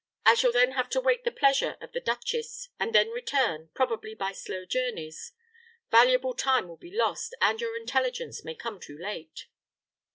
I shall then have to wait the pleasure of the duchess, and then return, probably, by slow journeys; valuable time will be lost, and your intelligence may come too late."